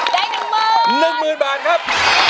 ได้หนึ่งหมื่นหนึ่งหมื่นบาทครับ